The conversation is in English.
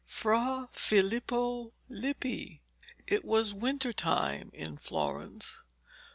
FRA FILIPPO LIPPI It was winter time in Florence.